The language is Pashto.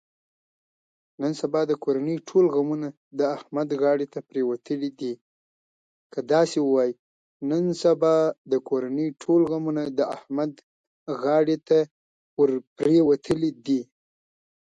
نن سبا د کورنۍ ټول غمونه د احمد غاړې ته پرېوتلي دي.